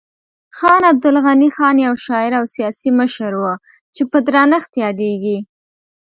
خان عبدالغني خان یو شاعر او سیاسي مشر و چې په درنښت یادیږي.